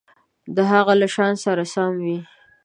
د هغه له شأن سره سم وي.